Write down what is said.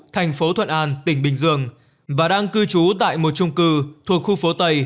thành phố thuận an tỉnh bình dương và đang cư trú tại một trung cư thuộc khu phố tây